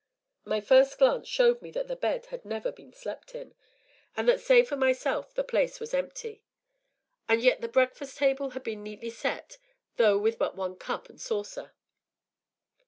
My first glance showed me that the bed had never even been slept in, and that save for myself the place was empty. And yet the breakfast table had been neatly set, though with but one cup and saucer.